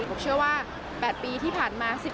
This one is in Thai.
ผมเชื่อว่า๘ปีที่ผ่านมา